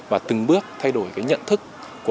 và từng bước thay đổi nhận thức